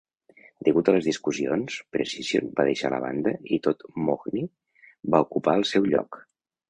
Degut a les discussions, Precision va deixar la banda i Todd Mohney va ocupar el seu lloc.